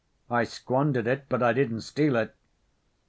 I squandered it, but I didn't steal it.